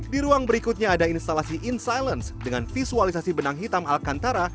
di ruang berikutnya ada instalasi in silence dengan visualisasi benang hitam alcantara